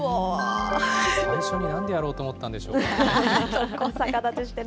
最初になんでやろうと思ったんでしょうかね。